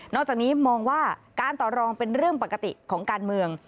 จากนี้มองว่าการต่อรองเป็นเรื่องปกติของการเมือง